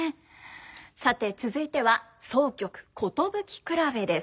さて続いては箏曲「寿くらべ」です。